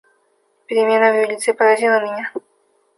Перемена в ее лице поразила меня.